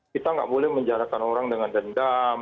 kita nggak boleh menjarakan orang dengan dendam